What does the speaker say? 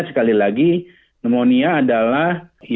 sekali lagi pneumonia adalah